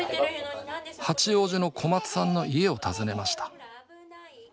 八王子の小松さんの家を訪ねました。